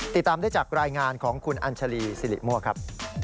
ติดตามได้จากรายงานของคุณอัญชาลีสิริมั่วครับ